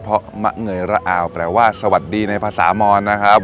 เพราะมะเงยระอาวแปลว่าสวัสดีในภาษามอนนะครับ